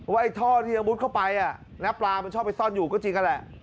ไอ้ท่อที่ยังมุดเข้าไปปลามันชอบไปซ่อนอยู่ก็จริงนั่นแหละ